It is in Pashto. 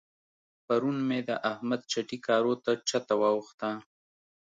پرون مې د احمد چټي کارو ته چته واوښته.